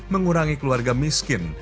mengurangi keluarga miskin